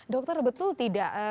dokter betul tidak